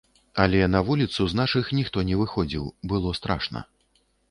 Але на вуліцу з нашых ніхто не выходзіў, было страшна.